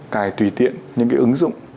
cài tùy tiện những cái ứng dụng